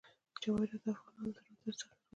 جواهرات د افغانانو د ژوند طرز اغېزمنوي.